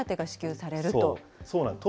そうなんです。